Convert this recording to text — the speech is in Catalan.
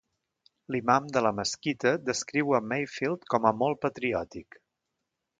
L'imam de la mesquita descriu a Mayfield com a molt patriòtic.